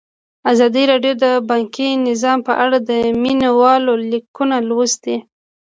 ازادي راډیو د بانکي نظام په اړه د مینه والو لیکونه لوستي.